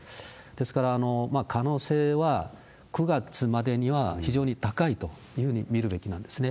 ですから、可能性は９月までには非常に高いというふうに見るべきなんですね。